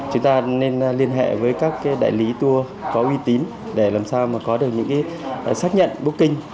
chúng ta nên liên hệ với các đại lý tour có uy tín để làm sao mà có được những xác nhận booking